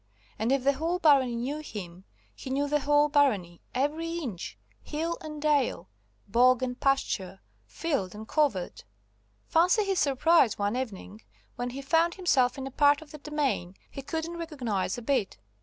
And if the whole barony knew him, he knew the whole barony, every inch, hill and dale, bog and pasture, field and covert. Fancy his surprise one evening, when he found himself in a part of the demesne he couldn't recognise a bit.